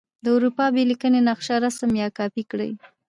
د اروپا بې لیکنې نقشه رسم یا کاپې کړئ.